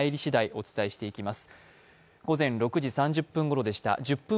お伝えしていきます。